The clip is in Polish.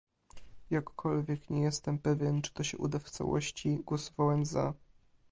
Jakkolwiek nie jestem pewien, czy to się uda w całości, głosowałem za